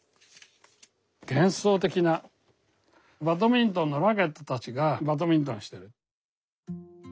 幻想的なバドミントンのラケットたちがバドミントンしてる。